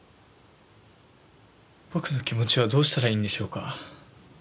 僕の気持ちはどうしたらいいんでしょうか？